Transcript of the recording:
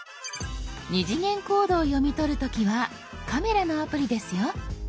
２次元コードを読み取る時は「カメラ」のアプリですよ。